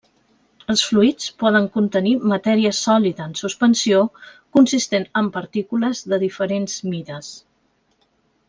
Els fluids poden contenir matèria sòlida en suspensió consistent en partícules de diferents mides.